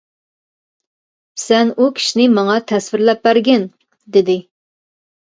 سەن ئۇ كىشىنى ماڭا تەسۋىرلەپ بەرگىن، دېدى.